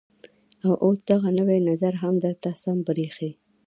او اوس دغه نوى نظر هم درته سم بريښي.